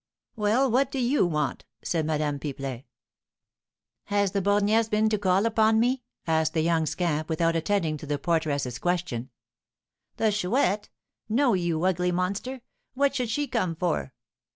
"Well, what do you want?" said Madame Pipelet. "Has the Borgnesse been to call upon me?" asked the young scamp, without attending to the porteress's question. "The Chouette? No, you ugly monster! What should she come for?"